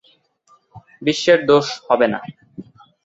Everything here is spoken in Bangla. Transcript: বিশ্বের দোষ দেব না।